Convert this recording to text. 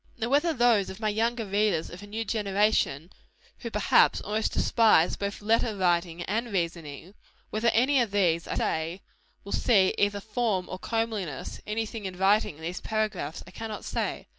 Now whether those of my younger readers of a new generation, who, perhaps, almost despise both letter writing and reasoning, whether any of these, I say, will see either form or comeliness any thing inviting in these paragraphs, I cannot say.